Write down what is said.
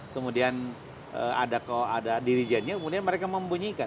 kemudian kalau ada dirijennya mereka membunyikan